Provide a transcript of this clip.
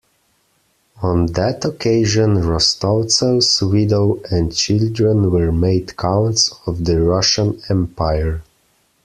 On that occasion Rostovtsev's widow and children were made Counts of the Russian Empire.